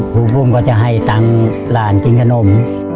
ครูปุ้มก็จะให้ตั้งหลานกินขนม